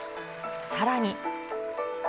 さらに。